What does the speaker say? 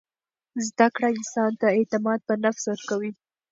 زده کړه انسان ته اعتماد په نفس ورکوي.